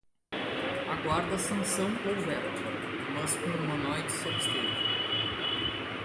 Aguarda sanção ou veto, mas um humanoide se absteve